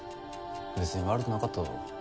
別に悪くなかっただろ？